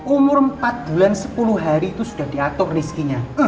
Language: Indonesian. umur empat bulan sepuluh hari itu sudah diatur rizkinya